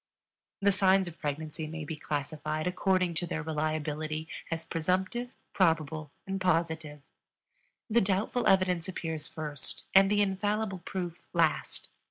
The signs of pregnancy may be classified, according to their reliability, as presumptive, probable, and positive. The doubtful evidence appears first and the infallible proof last.